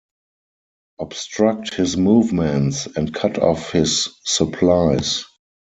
Obstruct his movements and cut off his supplies.